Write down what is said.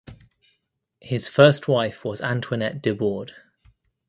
His first wife was Antoinette de Bord.